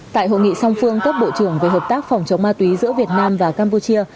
tại hội nghị song phương cấp bộ trưởng về hợp tác phòng chống ma túy giữa việt nam và campuchia